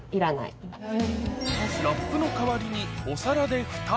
ラップの代わりにお皿でフタ